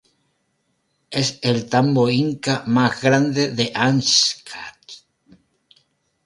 Es el tambo inca más grande de Áncash.